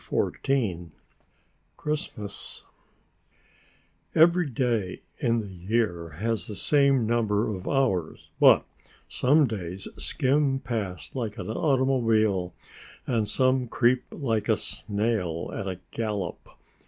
CHAPTER XIV CHRISTMAS Every day in the year has the same number of hours, but some days skim past like an automobile and some creep like a snail at a gallop.